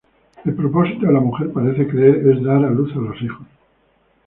El propósito de la mujer –parece creer– es dar a luz a los hijos.